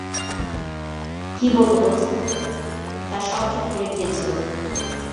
কি বলব দোস্ত, তার সব চুল পড়ে গিয়েছিল।